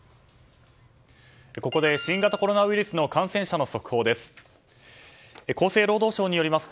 ここで新型コロナウイルスの感染者の速報です。